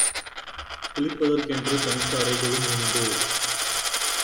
குளிப்பதற்கென்று தனித்த அறைகளும் உண்டு.